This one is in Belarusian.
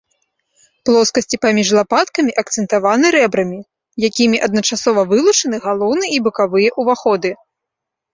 Плоскасці паміж лапаткамі акцэнтаваны рэбрамі, якімі адначасова вылучаны галоўны і бакавыя ўваходы.